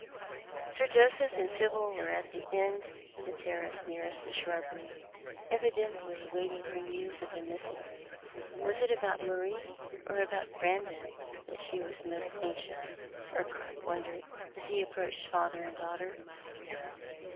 Sir .To?ci)h and Sibyl were at the end of the terrace nearest the shrubbery, evidently waiting for news of the missing. Was it about iMarie or about Brandon that she was most anxious, Urquhart wondered, as he approached father and daiiglitcr.